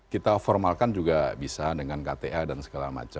kita formalkan juga bisa dengan kta dan segala macam